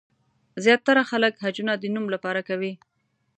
زیاتره خلک حجونه د نوم لپاره کوي.